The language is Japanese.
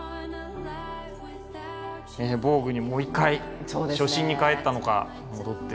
「ＶＯＧＵＥ」にもう一回初心にかえったのか戻って。